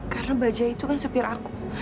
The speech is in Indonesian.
karena baja itu kan supir aku